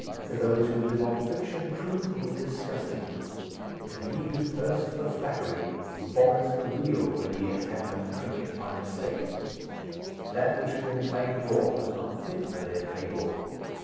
To those who live on fiction, truth is disgusting; and he who thirsts for flattery vomits the real, when he has happened to drink it by mistake. That which Gwynplaine brought was not fit for their table.